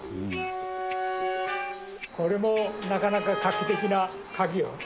これもなかなか画期的な鍵よ。